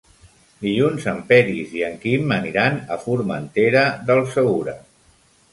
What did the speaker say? Dilluns en Peris i en Quim aniran a Formentera del Segura.